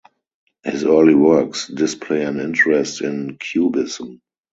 His early works display an interest in cubism.